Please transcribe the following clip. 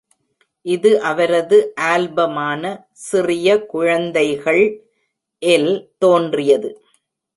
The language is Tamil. இது அவரது ஆல்பமான "சிறிய குழந்தைகள்" இல் தோன்றியது.